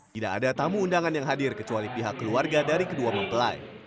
tidak ada tamu undangan yang hadir kecuali pihak keluarga dari kedua mempelai